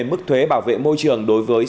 mức thuế bảo vệ môi trường đối với